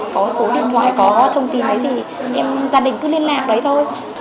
có số điện thoại có thông tin đấy thì gia đình cứ liên lạc đấy thôi